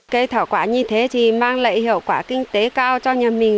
cây thảo quả như thế thì mang lại hiệu quả kinh tế cao cho nhà mình